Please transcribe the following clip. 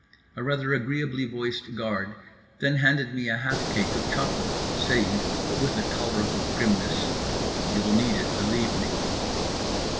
A rather agreeably voiced guard then handed me a half cake of chocolate, saying (but with a tolerable grimness): "You'll need it, believe me."